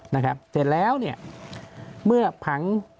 นะครับเสร็จแล้วเมื่อผัง